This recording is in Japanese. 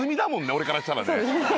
俺からしたらね。